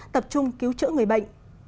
tập trung cứu chữa người bệnh